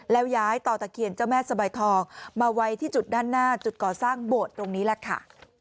แล้วย้ายต่อตะเคียนเจ้าแม่สบายทองมาไว้ที่จุดด้านหน้าจุดก่อสร้างโบสถ์ตรงนี้แหละค่ะ